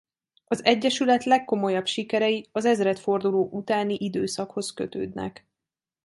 Az egyesület legkomolyabb sikerei az ezredforduló utáni időszakhoz kötődnek.